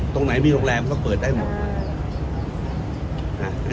ต้องขออภัยด้วยว่านั้นพูดที่ไปบอกว่า